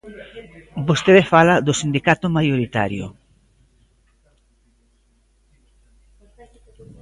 Vostede fala do sindicato maioritario.